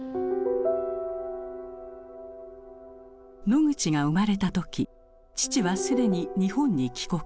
ノグチが生まれた時父は既に日本に帰国。